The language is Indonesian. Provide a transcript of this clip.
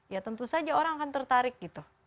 ya tentu saja orang akan tertarik gitu